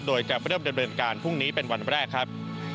โดยจะเริ่มดำเนินการพรุ่งนี้เป็นวันแรกครับ